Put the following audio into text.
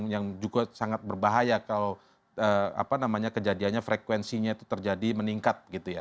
yang juga sangat berbahaya kalau kejadiannya frekuensinya itu terjadi meningkat gitu ya